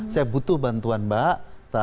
saya butuh bantuan mbak